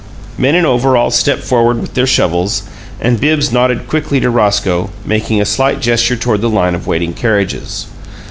Men in overalls stepped forward with their shovels, and Bibbs nodded quickly to Roscoe, making a slight gesture toward the line of waiting carriages.